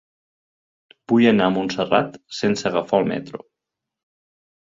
Vull anar a Montserrat sense agafar el metro.